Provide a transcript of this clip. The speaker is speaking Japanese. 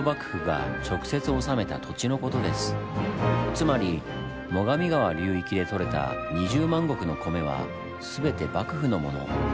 つまり最上川流域でとれた２０万石の米は全て幕府のもの。